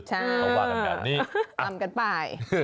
ต้องวางกันแบบนี้ตำกันไป